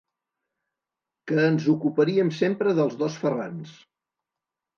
Que ens ocuparíem sempre dels dos Ferrans.